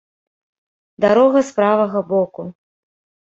Дарога з правага боку.